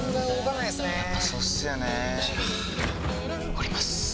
降ります！